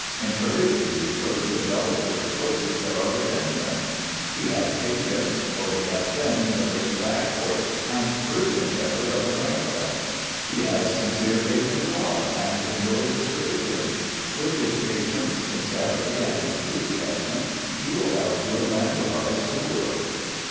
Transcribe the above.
Encourage the Negro to develop the resources that are within him. He has patience, for he has been the great back horse and burden bearer of America. He has sincere faith in God, and enjoys his religion. With his patience, sincerity and enthusiasm he will help to evangelize the world.